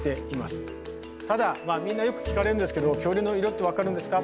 ただみんなよく聞かれるんですけど「恐竜の色って分かるんですか？」。